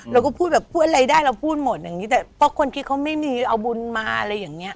เราก็พูดแบบพูดอะไรได้เราพูดหมดอย่างนี้แต่เพราะคนที่เขาไม่มีเอาบุญมาอะไรอย่างเงี้